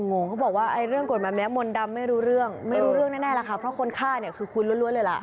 ก็บอกว่าเรื่องกฎหมายแม้มนดำไม่รู้เรื่องไม่รู้เรื่องแน่ล่ะครับเพราะคนฆ่าคือคุ้นล้วนเลยล่ะ